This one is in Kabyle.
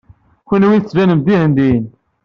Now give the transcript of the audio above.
Kenwi tettbanem-d d Ihendiyen.